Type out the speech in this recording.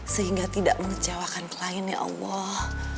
sehingga tidak mengecewakan klien ya allah